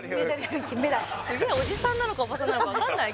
すげおじさんなのかおばさんなのか分かんない